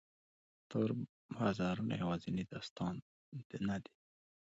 تور بازارونه یوازینی داستان نه دی.